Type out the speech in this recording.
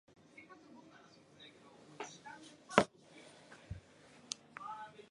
A half-teaspoon of hartshorn can substitute for one teaspoon of baking powder.